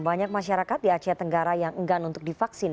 banyak masyarakat di aceh tenggara yang enggan untuk divaksin